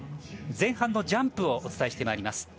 前半のジャンプをお伝えしてまいります。